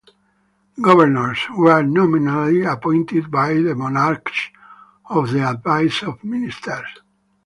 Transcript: Governors were nominally appointed by the monarch on the advice of ministers.